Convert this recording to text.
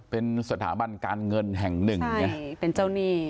เป็นสถาบันการเงินแห่งหนึ่งไงเป็นเจ้าหนี้